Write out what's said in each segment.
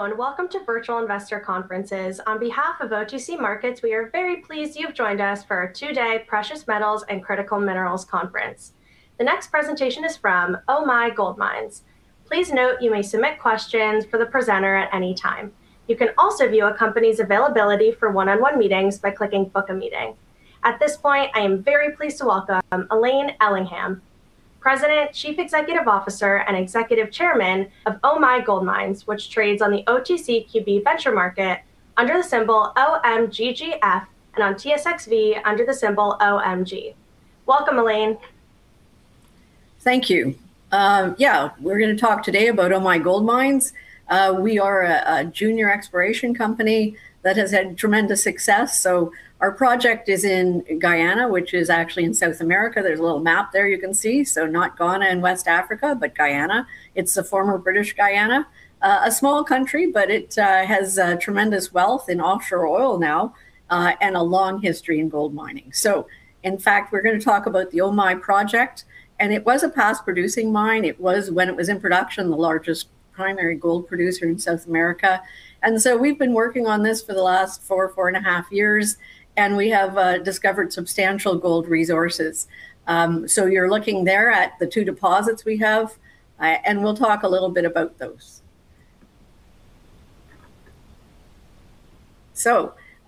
Hello, welcome to Virtual Investor Conferences. On behalf of OTC Markets Group, we are very pleased you've joined us for our two-day Precious Metals & Critical Minerals Virtual Investor Conference. The next presentation is from Omai Gold Mines Corp. Please note you may submit questions for the presenter at any time. You can also view a company's availability for one-on-one meetings by clicking "book a meeting." At this point, I am very pleased to welcome Elaine Ellingham, President, Chief Executive Officer, Executive Chairman of Omai Gold Mines Corp., which trades on the OTCQB under the symbol OMGF, and on TSXV under the symbol OMG. Welcome, Elaine. Thank you. We're going to talk today about Omai Gold Mines Corp. We are a junior exploration company that has had tremendous success. Our project is in Guyana, which is actually in South America. There's a little map there you can see. Not Ghana in West Africa, but Guyana. It's the former British Guyana. A small country, it has tremendous wealth in offshore oil now, and a long history in gold mining. We're going to talk about the Omai project, it was a past producing mine. It was, when it was in production, the largest primary gold producer in South America. We've been working on this for the last four and a half years, we have discovered substantial gold resources. You're looking there at the two deposits we have, we'll talk a little bit about those.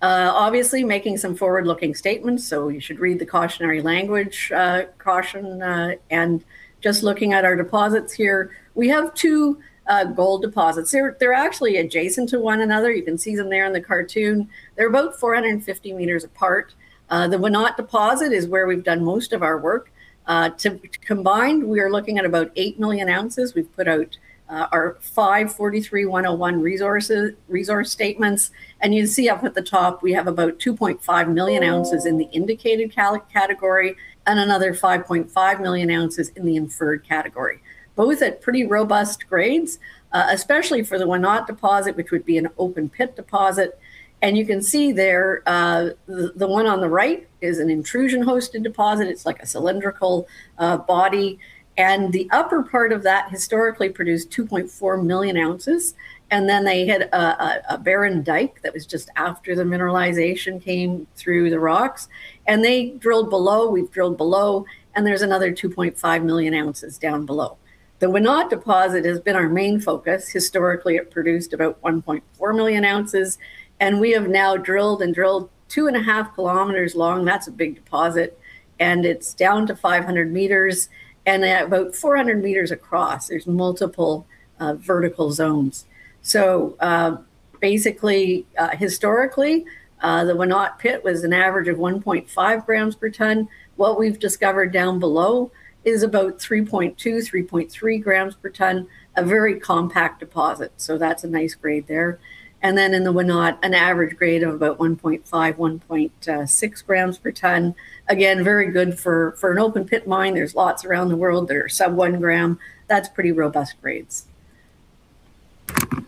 Obviously making some forward-looking statements, you should read the cautionary language caution. Just looking at our deposits here, we have two gold deposits. They're actually adjacent to one another. You can see them there in the cartoon. They're about 450 m apart. The Wenot deposit is where we've done most of our work. To combine, we are looking at about 8 million oz. We've put out our NI 43-101 resource statements. You see up at the top, we have about 2.5 million oz in the Indicated category, another 5.5 million oz in the Inferred category. Both at pretty robust grades, especially for the Wenot deposit, which would be an open pit deposit. You can see there, the one on the right is an intrusion-hosted deposit. It's like a cylindrical body. The upper part of that historically produced 2.4 million oz. They hit a barren dike that was just after the mineralization came through the rocks. They drilled below, we've drilled below, there's another 2.5 million oz down below. The Wenot deposit has been our main focus. Historically, it produced about 1.4 million oz, we have now drilled and drilled 2.5 km Long. That's a big deposit. It's down to 500 m, at about 400 m across. There's multiple vertical zones. Historically, the Wenot pit was an average of 1.5 g per ton. What we've discovered down below is about 3.2, 3.3 g per ton, a very compact deposit. That's a nice grade there. In the Wenot, an average grade of about 1.5, 1.6 g per ton. Again, very good for an open pit mine. There's lots around the world that are sub one gram. That is pretty robust grades.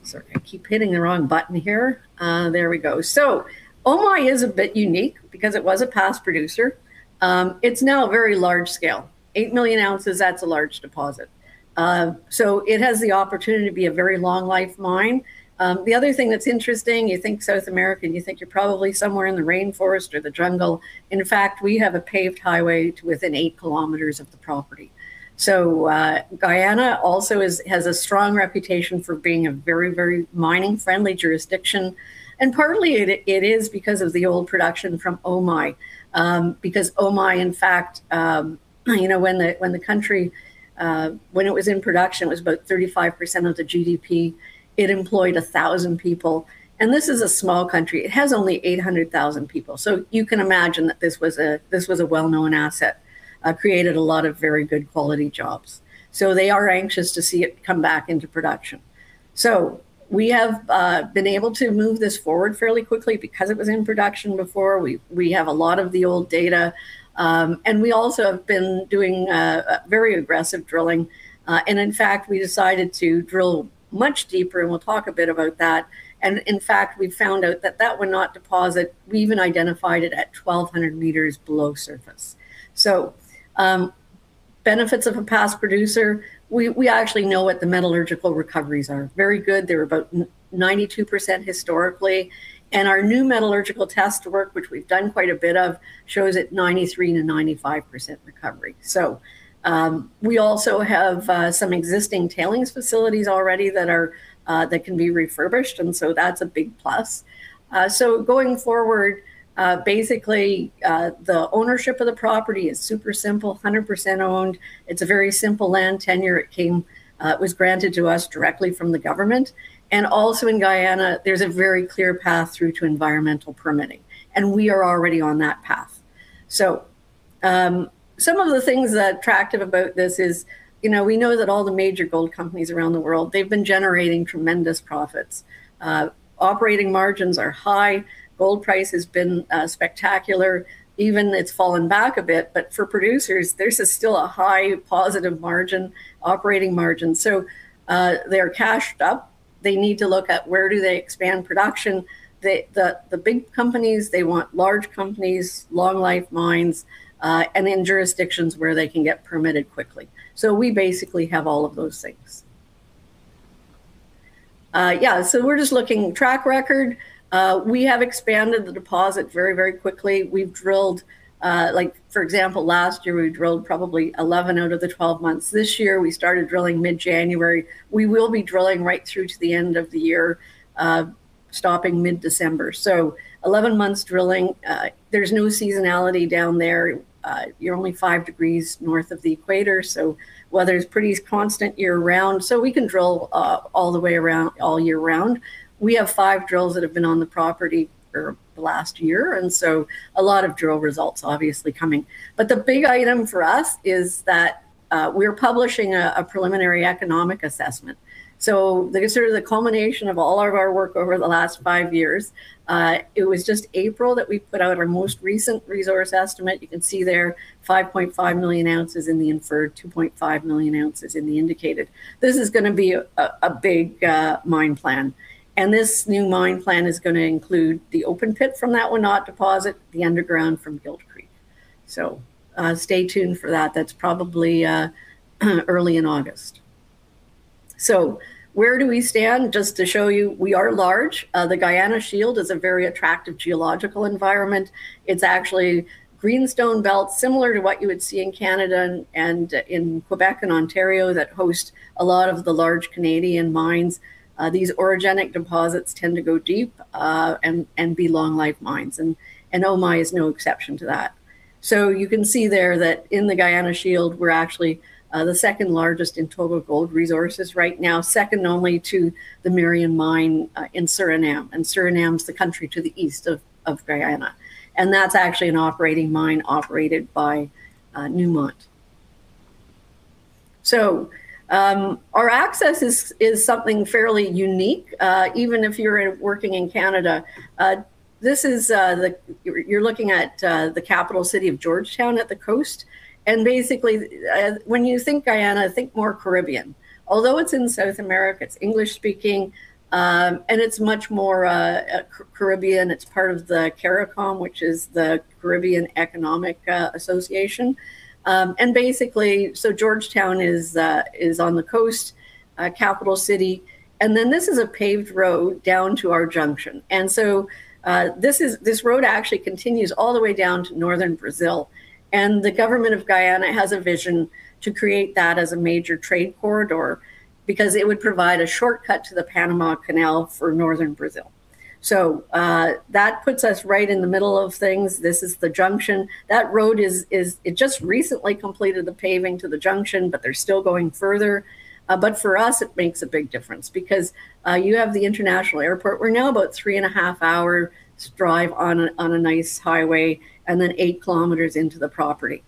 Sorry, I keep hitting the wrong button here. There we go, so Omai Gold Mines is a bit unique because it was a past producer. It is now a very large scale, 8 million oz, that is a large deposit. It has the opportunity to be a very long-life mine. The other thing that is interesting, you think South America, and you think you are probably somewhere in the rainforest or the jungle. In fact, we have a paved highway to within 8 km of the property. Guyana also has a strong reputation for being a very mining-friendly jurisdiction. And partly it is because of the old production from Omai Gold Mines. Because Omai Gold Mines, in fact, when the country was in production, it was about 35% of the GDP. It employed 1,000 people, and this is a small country. It has only 800,000 people. You can imagine that this was a well-known asset, created a lot of very good quality jobs. They are anxious to see it come back into production. We have been able to move this forward fairly quickly because it was in production before. We have a lot of the old data. And we also have been doing very aggressive drilling. And in fact, we decided to drill much deeper, and we will talk a bit about that. And in fact, we found out that that Wenot deposit, we even identified it at 1,200 m below surface. Benefits of a past producer. We actually know what the metallurgical recoveries are. Very good. They are about 92% historically. And our new metallurgical test work, which we have done quite a bit of, shows it 93%-95% recovery. We also have some existing tailings facilities already that can be refurbished, and that is a big plus. Going forward, basically, the ownership of the property is super simple, 100% owned. It is a very simple land tenure. It was granted to us directly from the government. And also in Guyana, there is a very clear path through to environmental permitting, and we are already on that path. Some of the things that are attractive about this is, we know that all the major gold companies around the world, they have been generating tremendous profits. Operating margins are high. Gold price has been spectacular. Even it has fallen back a bit, but for producers, there is still a high positive margin, operating margin. They are cashed up. They need to look at where do they expand production. The big companies, they want large companies, long life mines, and in jurisdictions where they can get permitted quickly. We basically have all of those things. We are just looking track record. We have expanded the deposit very quickly. For example, last year we drilled probably 11 out of the 12 months. This year, we started drilling mid-January. We will be drilling right through to the end of the year, stopping mid-December. 11 months drilling. There is no seasonality down there. You are only five degrees north of the equator, so weather is pretty constant year-round, so we can drill all year round. We have five drills that have been on the property for the last year, and a lot of drill results obviously coming. But the big item for us is that we are publishing a preliminary economic assessment. This is sort of the culmination of all of our work over the last five years. It was just April that we put out our most recent resource estimate. You can see there, 5.5 million oz in the inferred, 2.5 million oz in the indicated. This is going to be a big mine plan. This new mine plan is going to include the open pit from that Wenot deposit, the underground from Gilt Creek. Stay tuned for that. That's probably early in August. Where do we stand? Just to show you, we are large. The Guyana Shield is a very attractive geological environment. It's actually a greenstone belt similar to what you would see in Canada, in Quebec and Ontario that host a lot of the large Canadian mines. These orogenic deposits tend to go deep, be long-life mines. Omai is no exception to that. You can see there that in the Guyana shield, we're actually the second largest in total gold resources right now, second only to the Merian Mine in Suriname. Suriname's the country to the east of Guyana. That's actually an operating mine operated by Newmont. Our access is something fairly unique, even if you're working in Canada. You're looking at the capital city of Georgetown at the coast. Basically, when you think Guyana, think more Caribbean. Although it's in South America, it's English speaking. It's much more Caribbean. It's part of the CARICOM, which is the Caribbean Economic Association. Georgetown is on the coast, capital city. This is a paved road down to our junction. This road actually continues all the way down to northern Brazil. The government of Guyana has a vision to create that as a major trade corridor because it would provide a shortcut to the Panama Canal for northern Brazil. That puts us right in the middle of things. This is the junction. That road just recently completed the paving to the junction. They're still going further. For us, it makes a big difference because you have the international airport. We're now about a three-and-a-half-hour drive on a nice highway, 8 km into the property.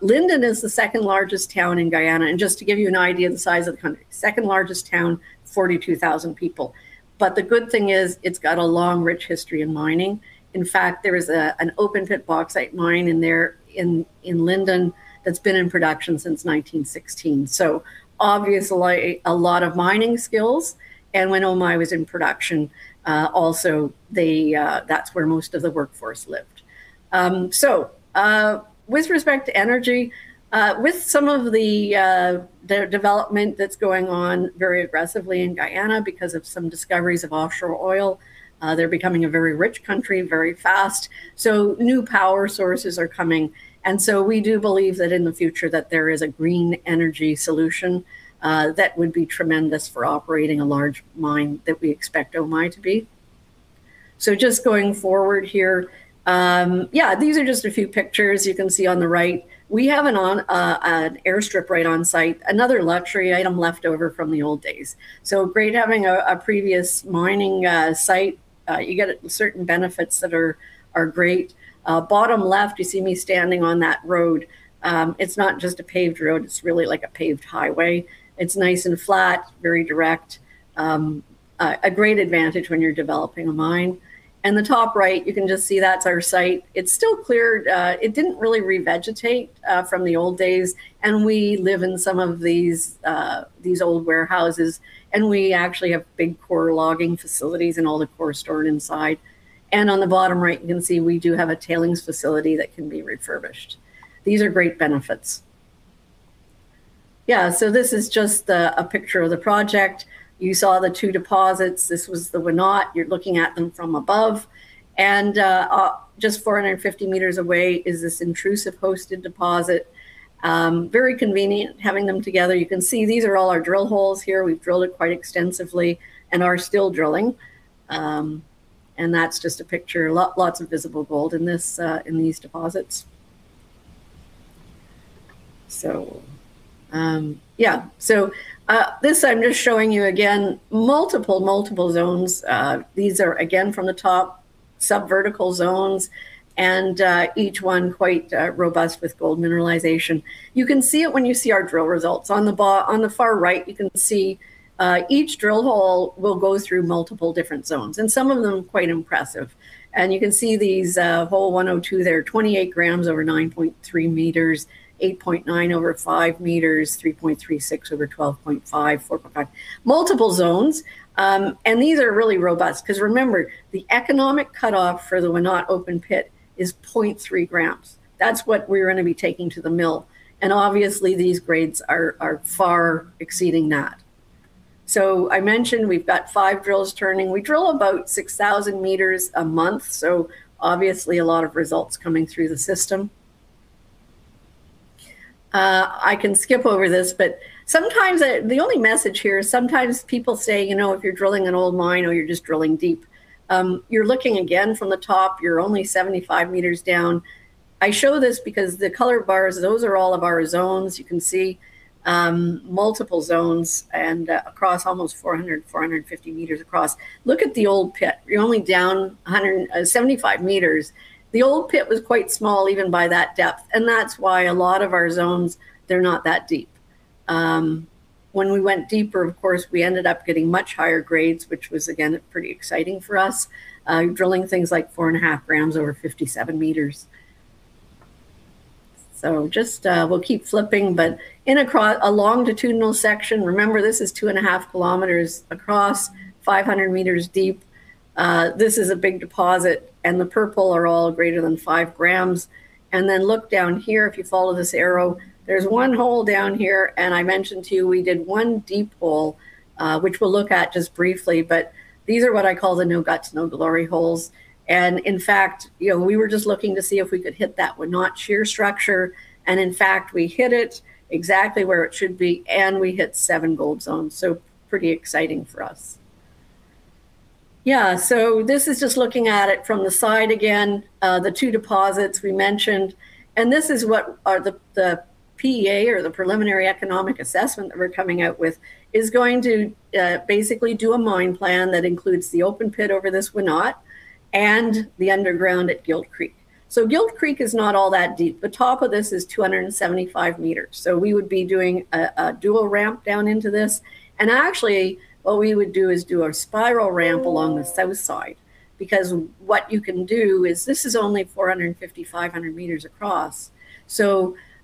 Linden is the second largest town in Guyana. Just to give you an idea of the size of the country, second largest town, 42,000 people. The good thing is it's got a long, rich history in mining. In fact, there is an open-pit bauxite mine in there in Linden that's been in production since 1916, obviously a lot of mining skills. When Omai was in production, also that's where most of the workforce lived. With respect to energy, with some of the development that's going on very aggressively in Guyana because of some discoveries of offshore oil, they're becoming a very rich country very fast. New power sources are coming. We do believe that in the future that there is a green energy solution that would be tremendous for operating a large mine that we expect Omai to be. Just going forward here. These are just a few pictures. You can see on the right, we have an airstrip right on site, another luxury item left over from the old days. Great having a previous mining site. You get certain benefits that are great. Bottom left, you see me standing on that road. It's not just a paved road, it's really like a paved highway. It's nice and flat, very direct. A great advantage when you're developing a mine. The top right, you can just see that's our site. It's still clear. It didn't really revegetate from the old days, and we live in some of these old warehouses. We actually have big core logging facilities and all the core stored inside. On the bottom right, you can see we do have a tailings facility that can be refurbished. These are great benefits. This is just a picture of the project. You saw the two deposits. This was the Wenot. You're looking at them from above. Just 450 m away is this intrusion-hosted deposit. Very convenient having them together. You can see these are all our drill holes here. We've drilled it quite extensively and are still drilling. That's just a picture. Lots of visible gold in these deposits. This I'm just showing you again, multiple zones. These are again from the top, subvertical zones, and each one quite robust with gold mineralization. You can see it when you see our drill results. On the far right, you can see each drill hole will go through multiple different zones, and some of them quite impressive. You can see these, hole 102 there, 28 g over 9.3 m, 8.9 over 5 m, 3.36 over 12.5, 4.5. Multiple zones, and these are really robust because remember, the economic cutoff for the Wenot open pit is 0.3 g. That's what we're going to be taking to the mill. Obviously these grades are far exceeding that. I mentioned we've got five drills turning. We drill about 6,000 m a month. Obviously a lot of results coming through the system. I can skip over this, but the only message here is sometimes people say, if you're drilling an old mine or you're just drilling deep, you're looking again from the top, you're only 75 m down. I show this because the color bars, those are all of our zones. You can see multiple zones and across almost 400, 450 m across. Look at the old pit. You're only down 75 m. The old pit was quite small even by that depth, and that's why a lot of our zones, they're not that deep. When we went deeper, of course, we ended up getting much higher grades, which was again, pretty exciting for us, drilling things like 4.5 g over 57 m. We'll keep flipping, but in a longitudinal section, remember this is 2.5 km Across, 500 m deep. This is a big deposit and the purple are all greater than 5 g. Then look down here if you follow this arrow, there's one hole down here and I mentioned to you we did one deep hole, which we'll look at just briefly. These are what I call the no guts, no glory holes. In fact, we were just looking to see if we could hit that Wenot shear structure. In fact, we hit it exactly where it should be. We hit seven gold zones. Pretty exciting for us. Yeah. This is just looking at it from the side again, the two deposits we mentioned, and this is what the PEA or the preliminary economic assessment that we're coming out with is going to basically do a mine plan that includes the open pit over this Wenot and the underground at Gilt Creek. Gilt Creek is not all that deep. The top of this is 275 m. We would be doing a dual ramp down into this. Actually, what we would do is do a spiral ramp along the south side, because what you can do is this is only 450, 500 m across.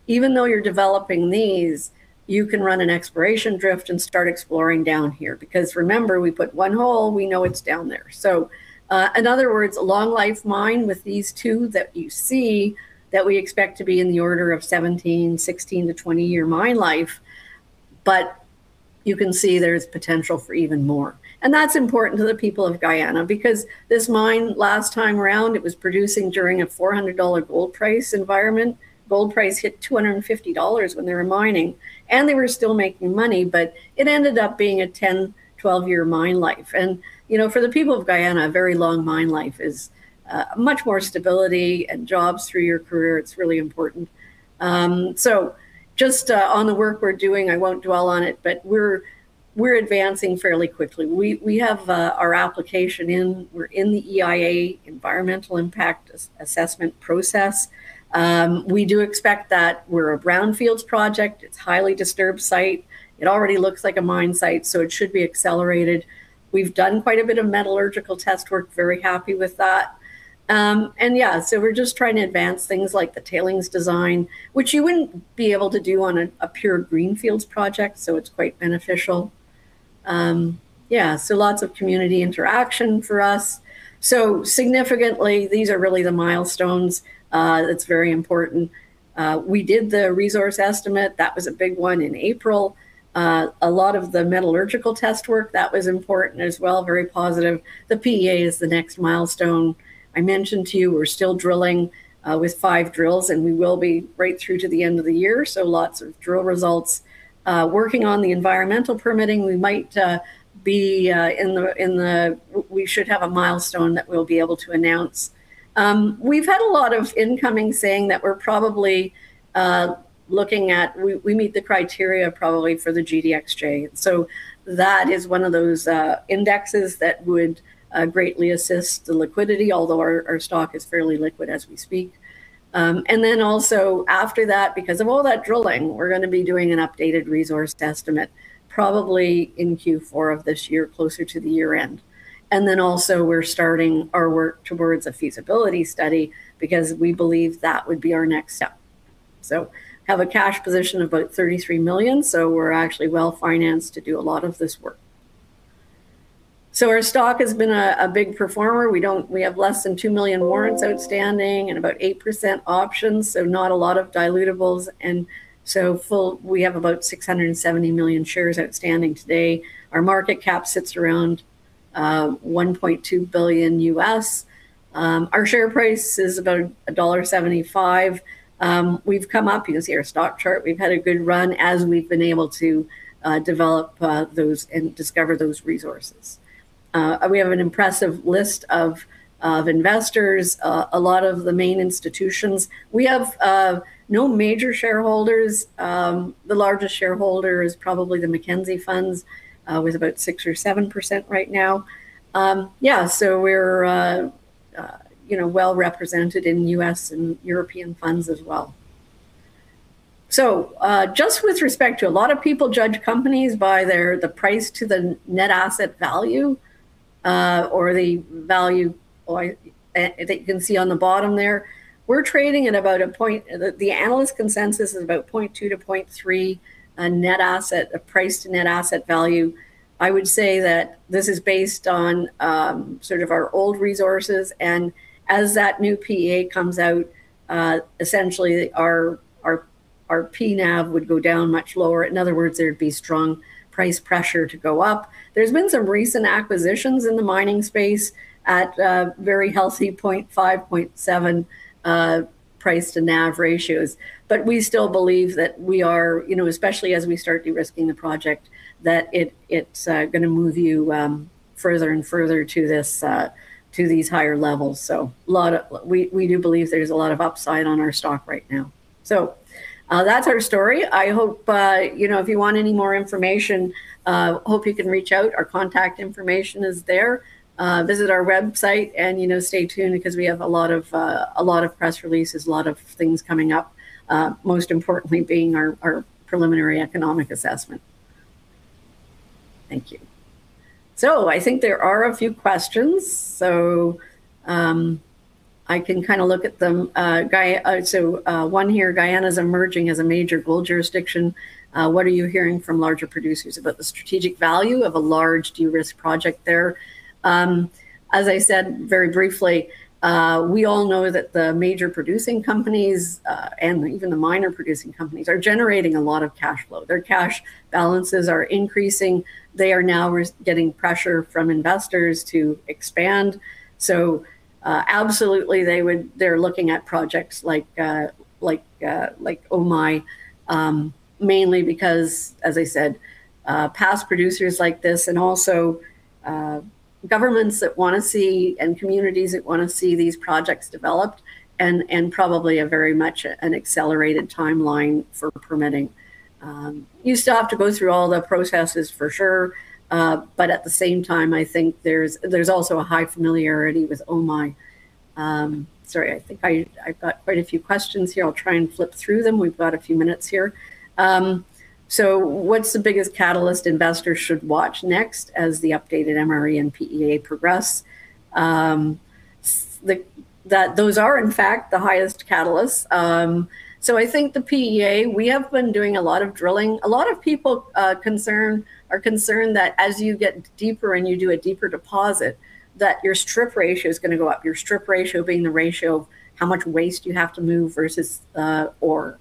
Even though you're developing these, you can run an exploration drift and start exploring down here, because remember we put one hole, we know it's down there. In other words, a long life mine with these two that you see that we expect to be in the order of 16-20 year mine life. You can see there's potential for even more. That's important to the people of Guyana because this mine, last time around, it was producing during a 400 dollar gold price environment. Gold price hit 250 dollars when they were mining, and they were still making money, but it ended up being a 10-12 year mine life. For the people of Guyana, a very long mine life is much more stability and jobs through your career. It's really important. Just on the work we're doing, I won't dwell on it, but we're advancing fairly quickly. We have our application in, we're in the EIA, environmental impact assessment process. We do expect that we're a brownfields project. It's highly disturbed site. It already looks like a mine site, it should be accelerated. We've done quite a bit of metallurgical test work, very happy with that. We're just trying to advance things like the tailings design, which you wouldn't be able to do on a pure greenfields project, it's quite beneficial. Lots of community interaction for us. Significantly, these are really the milestones. It's very important. We did the resource estimate. That was a big one in April. A lot of the metallurgical test work, that was important as well, very positive. The PEA is the next milestone. I mentioned to you we're still drilling with five drills, and we will be right through to the end of the year. Lots of drill results. Working on the environmental permitting, we should have a milestone that we'll be able to announce. We've had a lot of incoming saying that we meet the criteria probably for the GDXJ. That is one of those indexes that would greatly assist the liquidity, although our stock is fairly liquid as we speak. After that, because of all that drilling, we're going to be doing an updated resource estimate, probably in Q4 of this year, closer to the year-end. We're starting our work towards a feasibility study because we believe that would be our next step. We have a cash position of about 33 million, we're actually well-financed to do a lot of this work. Our stock has been a big performer. We have less than two million warrants outstanding and about 8% options, not a lot of dilutables. We have about 670 million shares outstanding today. Our market cap sits around $1.2 billion U.S. Our share price is about a dollar 1.75. We've come up, you can see our stock chart. We've had a good run as we've been able to develop those and discover those resources. We have an impressive list of investors, a lot of the main institutions. We have no major shareholders. The largest shareholder is probably the Mackenzie Funds, with about 6% or 7% right now. We're well-represented in U.S. and European funds as well. Just with respect to a lot of people judge companies by the price to the net asset value, or the value that you can see on the bottom there. The analyst consensus is about 0.2 to 0.3 price to NAV. I would say that this is based on sort of our old resources, and as that new PEA comes out, essentially our PNAV would go down much lower. In other words, there'd be strong price pressure to go up. There's been some recent acquisitions in the mining space at a very healthy 0.5, 0.7 price to NAV ratios. We still believe that we are, especially as we start de-risking the project, that it's going to move you further and further to these higher levels. We do believe there's a lot of upside on our stock right now. That's our story. If you want any more information, hope you can reach out. Our contact information is there. Visit our website and stay tuned because we have a lot of press releases, a lot of things coming up, most importantly being our preliminary economic assessment. Thank you. I think there are a few questions. I can look at them. One here, Guyana's emerging as a major gold jurisdiction. What are you hearing from larger producers about the strategic value of a large de-risked project there? As I said very briefly, we all know that the major producing companies, and even the minor producing companies, are generating a lot of cash flow. Their cash balances are increasing. They are now getting pressure from investors to expand. Absolutely they're looking at projects like Omai, mainly because, as I said, past producers like this and also governments that want to see, and communities that want to see these projects developed, and probably a very much an accelerated timeline for permitting. You still have to go through all the processes for sure. At the same time, I think there's also a high familiarity with Omai. Sorry, I think I got quite a few questions here. I'll try and flip through them. We've got a few minutes here. What's the biggest catalyst investors should watch next as the updated MRE and PEA progress? Those are in fact the highest catalysts. I think the PEA, we have been doing a lot of drilling. A lot of people are concerned that as you get deeper and you do a deeper deposit, that your strip ratio is going to go up, your strip ratio being the ratio of how much waste you have to move versus, or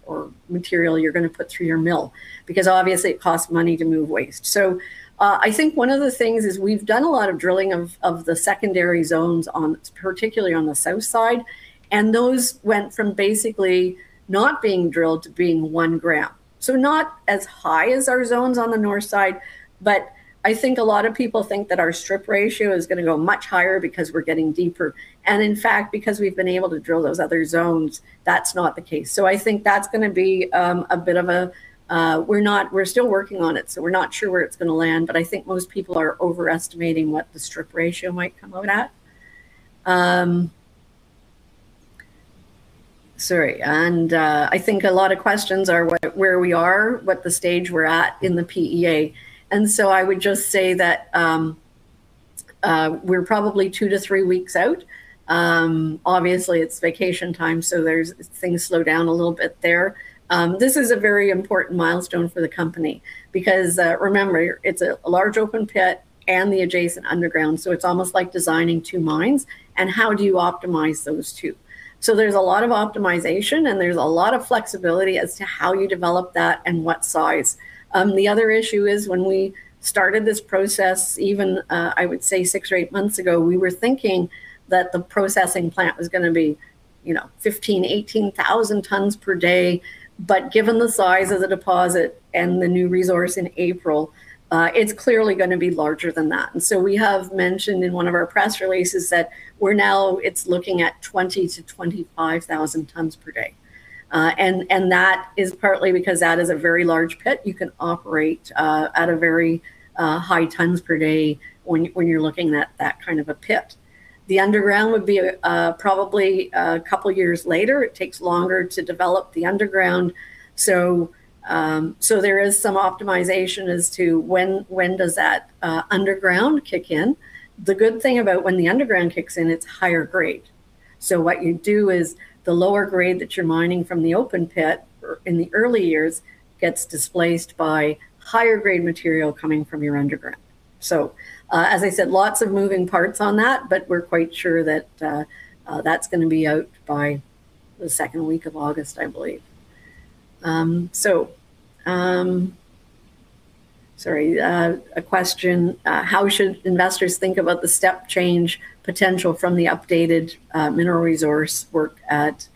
material you're going to put through your mill, because obviously it costs money to move waste. I think one of the things is we've done a lot of drilling of the secondary zones, particularly on the south side, and those went from basically not being drilled to being one gram. Not as high as our zones on the north side, but I think a lot of people think that our strip ratio is going to go much higher because we're getting deeper. In fact, because we've been able to drill those other zones, that's not the case. I think that's going to be a bit of a. We're still working on it, so we're not sure where it's going to land, but I think most people are overestimating what the strip ratio might come out at. Sorry. I think a lot of questions are where we are, what the stage we're at in the PEA. I would just say that we're probably two to three weeks out. Obviously, it's vacation time, so things slow down a little bit there. This is a very important milestone for the company because, remember, it's a large open pit and the adjacent underground, so it's almost like designing two mines. How do you optimize those two? There's a lot of optimization and there's a lot of flexibility as to how you develop that and what size. The other issue is when we started this process, even, I would say six or eight months ago, we were thinking that the processing plant was going to be 15,000, 18,000 tons per day. Given the size of the deposit and the new resource in April, it's clearly going to be larger than that. We have mentioned in one of our press releases that it's looking at 20,000-25,000 tons per day. That is partly because that is a very large pit. You can operate at a very high tons per day when you're looking at that kind of a pit. The underground would be probably a couple of years later. It takes longer to develop the underground. There is some optimization as to when does that underground kick in. The good thing about when the underground kicks in, it's higher grade. What you do is the lower grade that you're mining from the open pit in the early years gets displaced by higher grade material coming from your underground. As I said, lots of moving parts on that, but we're quite sure that's going to be out by the second week of August, I believe. Sorry. A question, how should investors think about the step change potential from the updated mineral resource work at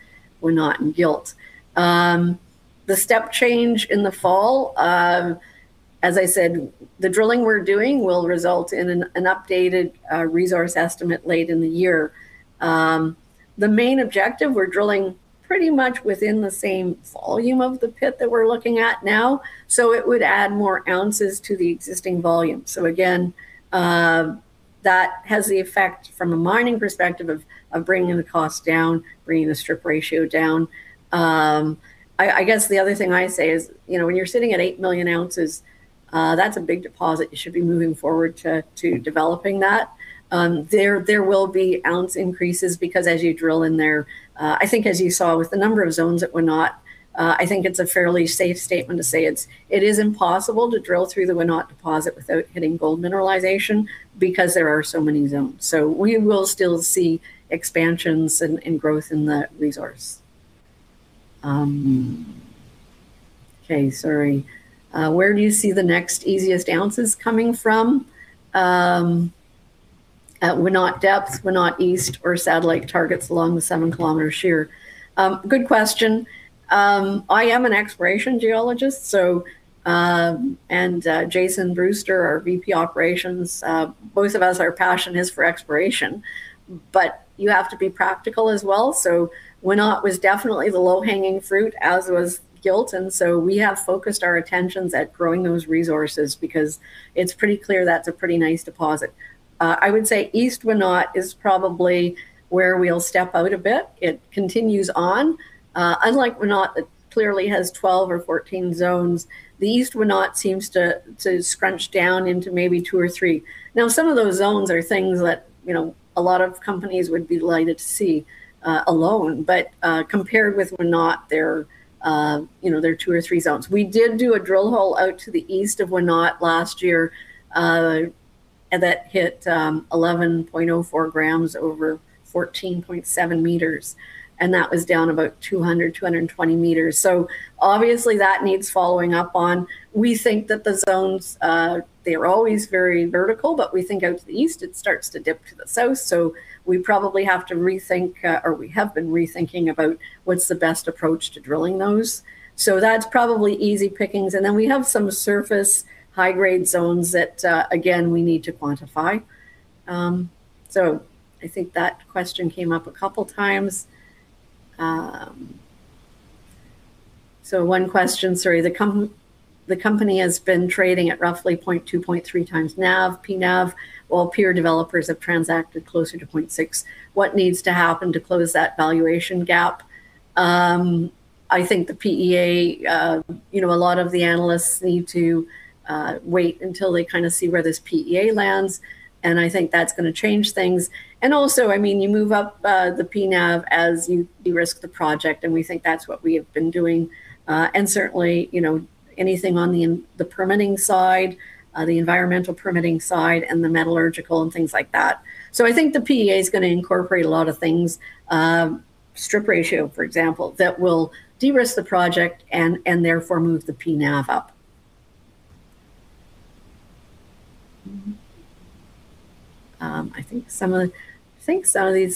Wenot and Gilt? The step change in the fall, as I said, the drilling we're doing will result in an updated resource estimate late in the year. The main objective, we're drilling pretty much within the same volume of the pit that we're looking at now. It would add more ounces to the existing volume. Again, that has the effect from a mining perspective of bringing the cost down, bringing the strip ratio down. I guess the other thing I say is, when you're sitting at 8 million oz, that's a big deposit. You should be moving forward to developing that. There will be ounce increases because as you drill in there, I think as you saw with the number of zones at Wenot, I think it's a fairly safe statement to say it is impossible to drill through the Wenot deposit without hitting gold mineralization because there are so many zones. We will still see expansions and growth in the resource. Okay. Sorry. Where do you see the next easiest ounces coming from? At Wenot depths, Wenot east, or satellite targets along the 7-km shear. Good question. I am an exploration geologist, and Jason Brewster, our VP, Operations, both of us, our passion is for exploration, but you have to be practical as well. Wenot was definitely the low-hanging fruit, as was Gilt. We have focused our attentions at growing those resources because it's pretty clear that's a pretty nice deposit. I would say east Wenot is probably where we'll step out a bit. It continues on. Unlike Wenot that clearly has 12 or 14 zones, the east Wenot seems to scrunch down into maybe two or three. Now, some of those zones are things that a lot of companies would be delighted to see alone, but, compared with Wenot, they're two or three zones. We did do a drill hole out to the east of Wenot last year, that hit 11.04 g over 14.7 m, and that was down about 200, 220 m. Obviously that needs following up on. We think that the zones, they're always very vertical, but we think out to the east it starts to dip to the south. We probably have to rethink, or we have been rethinking about what's the best approach to drilling those. That's probably easy pickings. Then we have some surface high-grade zones that, again, we need to quantify. I think that question came up a couple of times. One question, sorry. The company has been trading at roughly 0.2, 0.3 x NAV, PNAV, while peer developers have transacted closer to 0.6. What needs to happen to close that valuation gap? I think the PEA, a lot of the analysts need to wait until they see where this PEA lands, and I think that's going to change things. Also, you move up the PNAV as you de-risk the project, and we think that's what we have been doing. Certainly, anything on the permitting side, the environmental permitting side, and the metallurgical and things like that. I think the PEA is going to incorporate a lot of things, strip ratio, for example, that will de-risk the project and therefore move the PNAV up.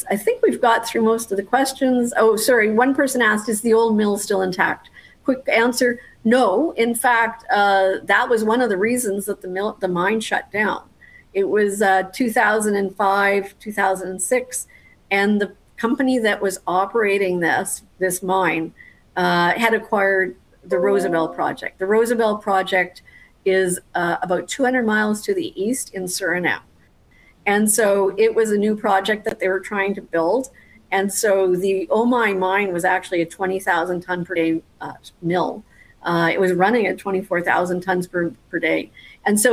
I think we've got through most of the questions. Oh, sorry. One person asked, "Is the old mill still intact?" Quick answer, no. In fact, that was one of the reasons that the mine shut down. It was 2005, 2006, and the company that was operating this mine had acquired the Rosebel project. The Rosebel project is about 200 miles to the east in Suriname. It was a new project that they were trying to build. The Omai mine was actually a 20,000 tons per day mill. It was running at 24,000 tons per day.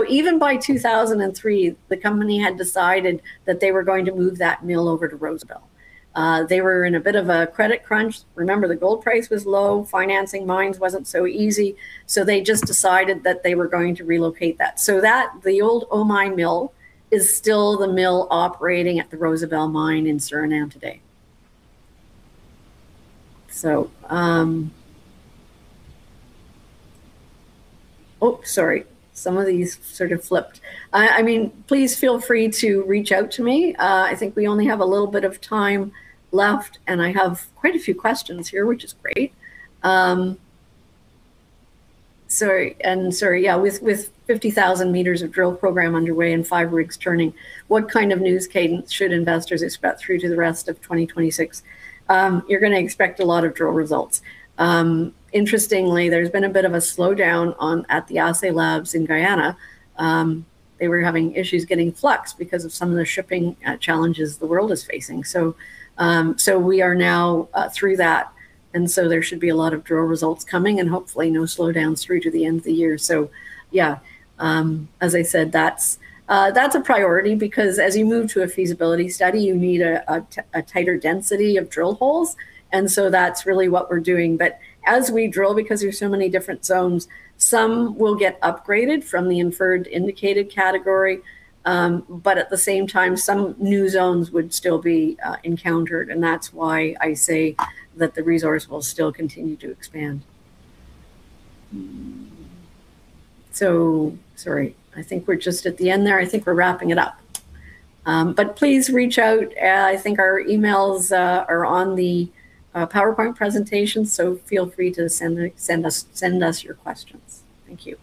Even by 2003, the company had decided that they were going to move that mill over to Rosebel. They were in a bit of a credit crunch. Remember, the gold price was low, financing mines wasn't so easy. They just decided that they were going to relocate that. That, the old Omai mill, is still the mill operating at the Rosebel mine in Suriname today. Oh, sorry. Some of these sort of flipped. Please feel free to reach out to me. I think we only have a little bit of time left, and I have quite a few questions here, which is great. Sorry. With 50,000 m of drill program underway and five rigs turning, what kind of news cadence should investors expect through to the rest of 2026? You're going to expect a lot of drill results. Interestingly, there's been a bit of a slowdown at the assay labs in Guyana. They were having issues getting flux because of some of the shipping challenges the world is facing. We are now through that, there should be a lot of drill results coming and hopefully no slowdowns through to the end of the year. Yeah. As I said, that's a priority because as you move to a feasibility study, you need a tighter density of drill holes, that's really what we're doing. As we drill, because there's so many different zones, some will get upgraded from the Inferred Indicated category. At the same time, some new zones would still be encountered, and that's why I say that the resource will still continue to expand. Sorry, I think we're just at the end there. I think we're wrapping it up. Please reach out. I think our emails are on the PowerPoint presentation, feel free to send us your questions. Thank you.